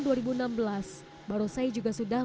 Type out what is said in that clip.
barongsai juga sudah mencapai kekuatan magis dan mistik begitu